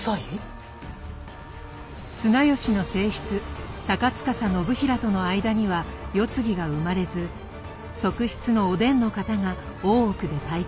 綱吉の正室鷹司信平との間には世継ぎが生まれず側室のお伝の方が大奥で台頭。